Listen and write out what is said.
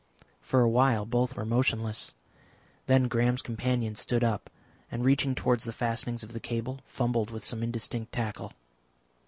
For awhile both were motionless, then Graham's companion stood up, and reaching towards the fastenings of the cable fumbled with some indistinct tackle.